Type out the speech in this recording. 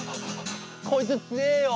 こいつつえよ。